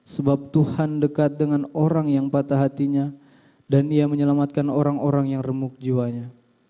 sebab tuhan dekat dengan orang yang patah hatinya dan ia menyelamatkan orang orang yang remuk jiwanya